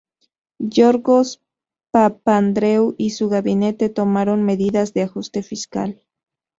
Yorgos Papandreu y su gabinete, tomaron medidas de ajuste fiscal.